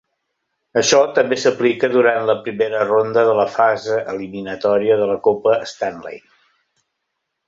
Això també s'aplica durant la primera ronda de la fase eliminatòria de la copa Stanley.